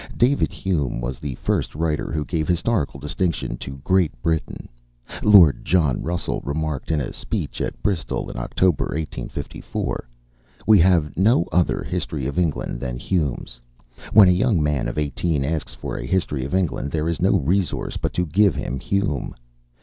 David Hume was the first writer who gave historical distinction to Great Britain. Lord John Russell remarked in a speech at Bristol, in October, 1854: "We have no other 'History of England' than Hume's.... When a young man of eighteen asks for a 'History of England,' there is no resource but to give him Hume."